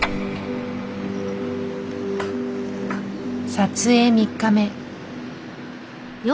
撮影３日目。